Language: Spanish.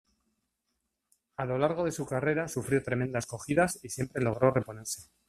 A lo largo de su carrera sufrió tremendas cogidas y siempre logró reponerse.